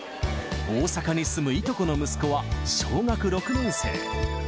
大阪に住むいとこの息子は小学６年生。